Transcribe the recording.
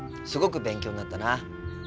すごく勉強になったな。